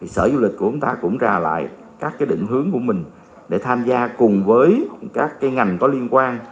sở du lịch của chúng ta cũng ra lại các định hướng của mình để tham gia cùng với các ngành có liên quan